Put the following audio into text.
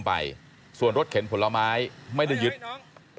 ถ้าเขาถูกจับคุณอย่าลืม